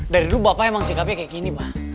dari dulu bapak emang sikapnya kayak gini pak